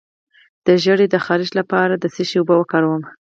د زیړي د خارښ لپاره د څه شي اوبه وکاروم؟